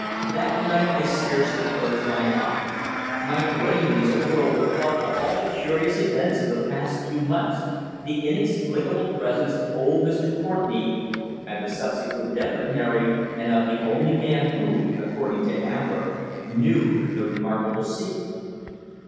That night I scarcely closed my eyes. My brain was awhirl with thoughts of all the curious events of the past few months the inexplicable presence of old Mr. Courtenay, and the subsequent death of Mary and of the only man who, according to Ambler, knew the remarkable secret.